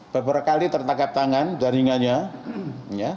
beberkali tertangkap tangan jaringannya